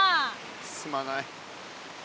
すまない。